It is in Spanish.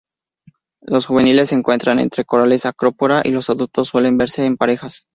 Los juveniles se encuentran entre corales "Acropora", y los adultos suelen verse en parejas.